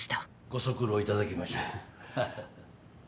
ご足労いただきまして。